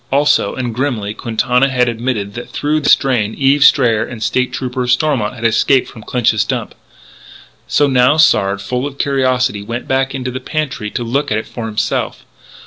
Also, and grimly, Quintana had admitted that through this drain Eve Strayer and the State Trooper, Stormont, had escaped from Clinch's Dump. So now Sard, full of curiosity, went back into the pantry to look at it for himself.